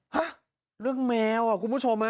ฮะเรื่องแมวอ่ะคุณผู้ชมฮะ